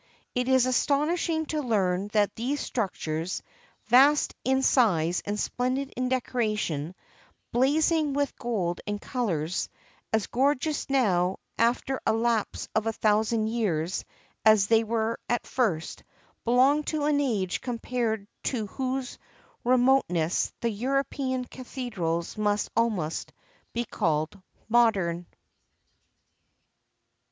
It is astonishing to learn that these structures, vast in size and splendid in decoration, blazing with gold and colors, as gorgeous now after a lapse of a thousand years as they were at first, belong to an age compared to whose remoteness the European cathedrals must almost be called modern."